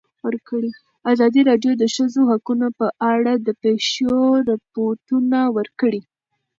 ازادي راډیو د د ښځو حقونه په اړه د پېښو رپوټونه ورکړي.